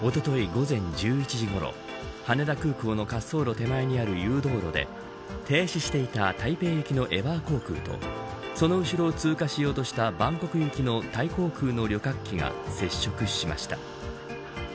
午前１１時ごろ羽田空港の滑走路手前にある誘導路で停止していた台北行きのエバー航空とその後ろを通過しようとしたバンコク行きのタイ航空の旅客機が接触しました。